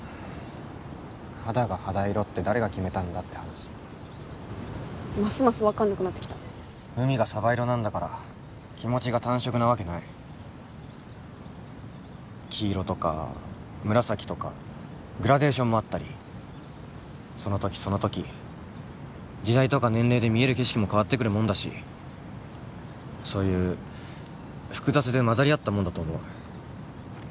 肌が肌色って誰が決めたんだって話ますます分かんなくなってきた海がサバ色なんだから気持ちが単色なわけない黄色とか紫とかグラデーションもあったりそのときそのとき時代とか年齢で見える景色も変わってくるもんだしそういう複雑で混ざり合ったもんだと思う